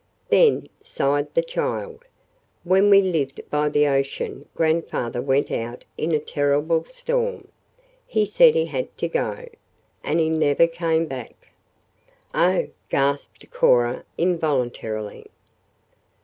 "Then," sighed the child, "when we lived by the ocean grandfather went out in a terrible storm he said he had to go. And he never came back." "Oh!" gasped Cora involuntarily.